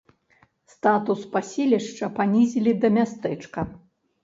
Статус паселішча панізілі да мястэчка.